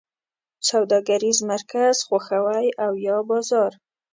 سوداګریز مرکز خوښوی او یا بازار؟